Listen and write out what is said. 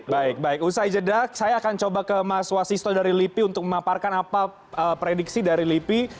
baik baik usai jeda saya akan coba ke mas wasisto dari lipi untuk memaparkan apa prediksi dari lipi